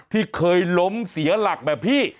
ที่เคยล้มเสียหลักแบบพี่